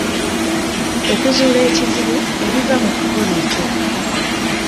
Okuzuula ekizibu ebiva mu kukola ekyo.